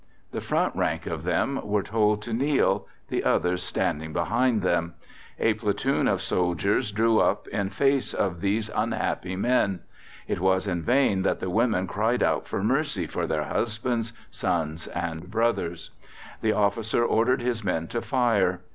The front rank of them were then told to kneel, the others standing behind them. A platoon of soldiers drew up in face of these unhappy men. It was in vain that the women cried out for mercy for their husbands, sons, and brothers. The officer ordered his men to fire.